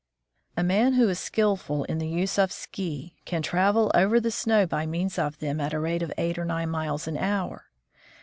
A man who is skillful in the use of ski can travel over the snow by means of them at a rate of eight or nine miles an hour.